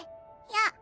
やっ！